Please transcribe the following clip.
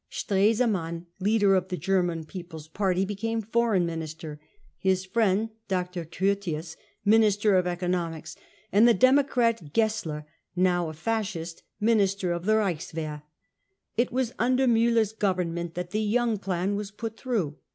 Stresemarm, leader of the German People's Party, % i became Foreign Minister, his friend Dr. Curtins Minister of Economics, and the Democrat Gessler (now Vl Fascist) Minister of the Reichswehr. It was under Muller's Govern ! ment that the Young Plan was put through.